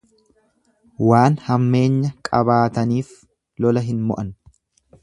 Waan hammeenyaa qabaataniif lola hin mo'an.